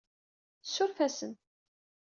Ssuref-asen.